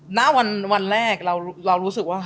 ณวันแรกเรารู้สึกว่า